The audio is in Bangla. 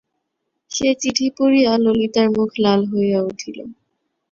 সে চিঠি পড়িয়া ললিতার মুখ লাল হইয়া উঠিল।